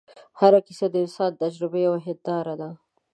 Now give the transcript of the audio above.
هره کیسه د انسان د تجربې یوه هنداره ده.